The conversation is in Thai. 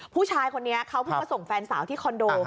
ผู้ชายคนนี้เขาเพิ่งมาส่งแฟนสาวที่คอนโด